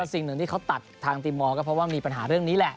สิ่งหนึ่งที่เขาตัดทางทีมมอร์ก็เพราะว่ามีปัญหาเรื่องนี้แหละ